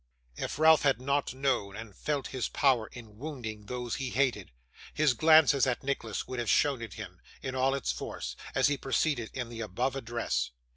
If Ralph had not known and felt his power in wounding those he hated, his glances at Nicholas would have shown it him, in all its force, as he proceeded in the above address.